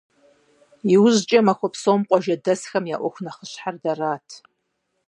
ИужькӀэ махуэ псом къуажэдэсхэм я Ӏуэху нэхъыщхьэр дэрат.